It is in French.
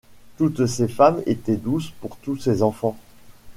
Toutes ces femmes étaient douces pour tous ces enfants.